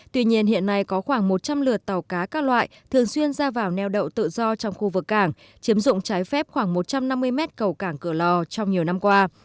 tuy nhiên hiện nay có khoảng một trăm linh lượt tàu cá các loại thường xuyên ra vào neo đậu tự do trong khu vực cảng chiếm dụng trái phép khoảng một trăm năm mươi mét cầu cảng cửa lò trong nhiều năm qua